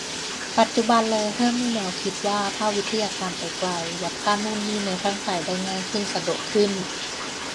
ปัจจุบันเลยเริ่มมีแนวคิดว่าถ้าวิทยาการไปไกล วัดค่านู่นนี่ในร่างกายได้ง่ายขึ้นสะดวกขึ้น